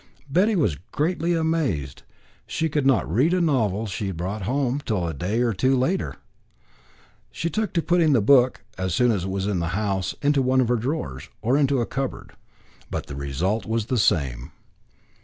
Betty was greatly amazed. She could not read a novel she had brought home till a day or two later. She took to putting the book, so soon as it was in the house, into one of her drawers, or into a cupboard. But the result was the same.